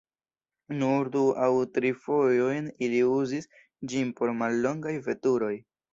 Nur du aŭ tri fojojn ili uzis ĝin por mallongaj veturoj.